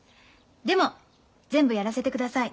でも全部やらせてください。